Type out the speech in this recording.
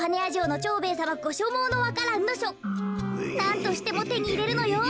なんとしてもてにいれるのよ。